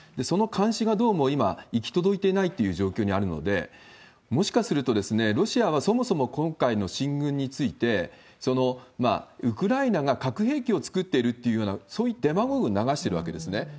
その監視がどうも今、行き届いていないっていう状況にあるので、もしかするとロシアはそもそも今回の進軍について、ウクライナが核兵器を作っているっていうような、そういうデマゴーグを流してるんですね。